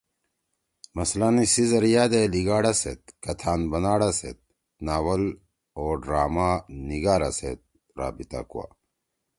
مثلاًسی ذریعہ دےلیِگاڑا سیت، کھتآن بناڑا سیت، ناول او ڈراما نگارا سیے رابطہ کوا۔